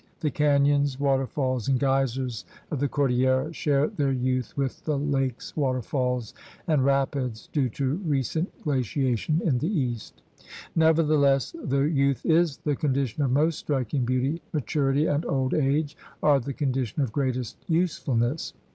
The canyons, waterfalls, and geysers of the Cordillera share their youth with the lakes, waterfalls, and rapids due to recent glaciation in the east. Nevertheless, though youth is the con dition of most striking beauty, maturity and old age are the condition of greatest usefulness.